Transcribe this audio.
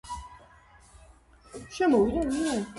განავითარა რუსული სიმფონიზმის ტრადიციები.